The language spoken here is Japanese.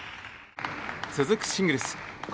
続くシングルス今